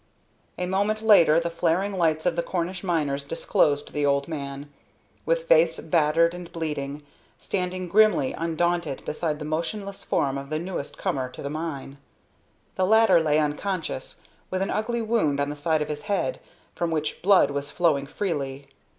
A moment later the flaring lights of the Cornish miners disclosed the old man, with face battered and bleeding, standing grimly undaunted beside the motionless form of the newest comer to the mine. The latter lay unconscious, with an ugly wound on the side of his head, from which blood was flowing freely.